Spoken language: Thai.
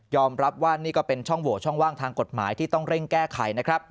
รับว่านี่ก็เป็นช่องโหวตช่องว่างทางกฎหมายที่ต้องเร่งแก้ไขนะครับ